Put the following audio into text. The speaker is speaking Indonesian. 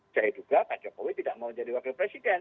saya duga pak jokowi tidak mau jadi wakil presiden